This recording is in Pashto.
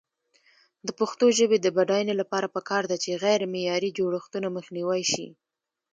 د پښتو ژبې د بډاینې لپاره پکار ده چې غیرمعیاري جوړښتونه مخنیوی شي.